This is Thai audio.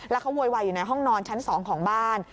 แล้วเขาโวยวายอยู่ในห้องนอนชั้น๒ของบ้าน